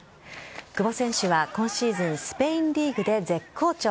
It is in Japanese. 久保選手は今シーズンスペインリーグで絶好調。